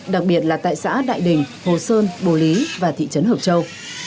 đặc biệt là tại xã đại đình hồ sơn bồ lý và thị trấn hợp châu